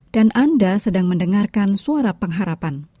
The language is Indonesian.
dan anda sedang mendengarkan suara pengharapan